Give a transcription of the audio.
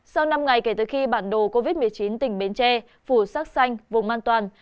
sau năm ngày kể từ khi bản đồ covid một mươi chín tỉnh bến tre phủ sắc xanh vùng an toàn